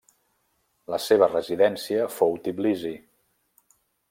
La seva residència fou Tbilisi.